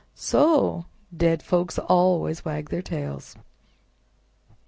so dead folks always wag their tails!"